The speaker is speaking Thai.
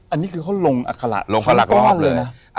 อันนี้คือเขาลงอาคาระทั้งหมดเลยนะ